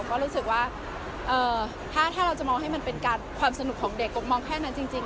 ก็รู้สึกว่าถ้าเราจะมองให้มันเป็นความสนุกของเด็กกบมองแค่นั้นจริง